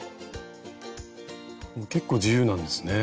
結構自由なんですね。